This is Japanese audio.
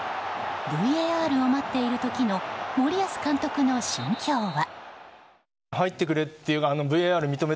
ＶＡＲを待っている時の森保監督の心境は。